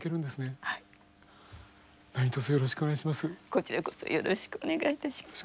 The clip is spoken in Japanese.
こちらこそよろしくお願いいたします。